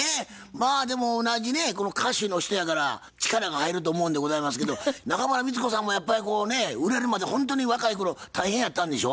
まあでも同じね歌手の人やから力が入ると思うんでございますけど中村美律子さんもやっぱりこうね売れるまでほんとに若い頃大変やったんでしょ？